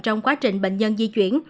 trong quá trình bệnh nhân di chuyển